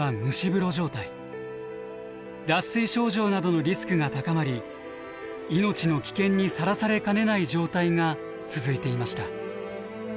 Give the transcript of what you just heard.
脱水症状などのリスクが高まり命の危険にさらされかねない状態が続いていました。